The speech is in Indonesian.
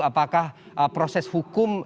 apakah prosesnya akan berjalan